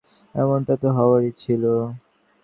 দুটো ব্যাপারকে এক করলে বলাই যায় যে, এমনটা তো হওয়ারই ছিল।